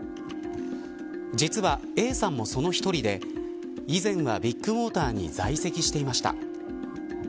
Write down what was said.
実はＡさんもその１人で以前はビッグモーターに在籍していました。